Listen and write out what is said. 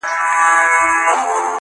ها ښکلې که هر څومره ما وغواړي.